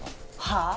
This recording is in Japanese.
はあ？